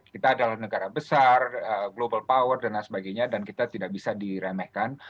kita adalah negara besar global power dan lain sebagainya dan kita tidak bisa diremehkan